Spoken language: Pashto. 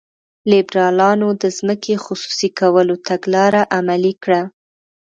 لیبرالانو د ځمکې خصوصي کولو تګلاره عملي کړه.